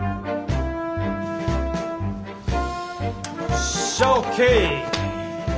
よっしゃＯＫ！